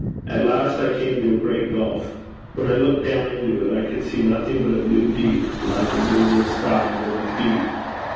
At last I came to a great gulf. When I looked down into it, I could see nothing but a blue deep, like the blue of the sky, under my feet.